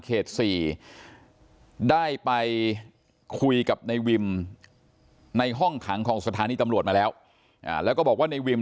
เขตสี่ได้ไปคุยกับนายวิมในห้องขังของสถานีตำรวจมาแล้วอ่าแล้วก็บอกว่านายวิม